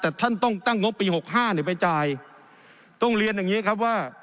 แต่ท่านต้องตั้งงบปีหกห้าเนี่ยไปจ่ายต้องเรียนอย่างนี้ครับว่า